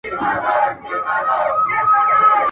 اور چي مي پر سیوري بلوي رقیب `